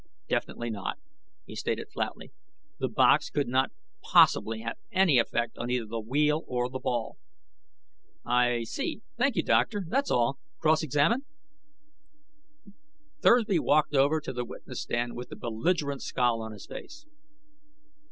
"Definitely not," he stated flatly. "The box could not possibly have any effect on either the wheel or the ball." "I see. Thank you, doctor; that's all. Cross examine." Thursby walked over to the witness stand with a belligerent scowl on his face.